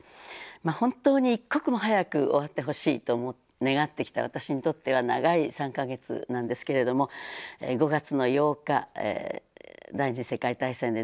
まあ本当に一刻も早く終わってほしいと願ってきた私にとっては長い３か月なんですけれども５月の８日第２次世界大戦でドイツが敗北した日。